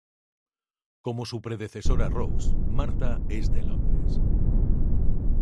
Como su predecesora Rose, Martha es de Londres.